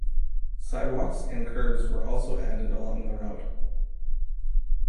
Sidewalks and curbs were also added along the route.